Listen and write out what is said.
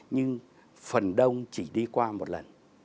nhưng phần đông chỉ đi qua một lần